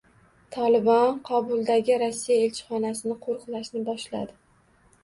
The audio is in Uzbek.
“Tolibon” Kobuldagi Rossiya elchixonasini qo‘riqlashni boshladi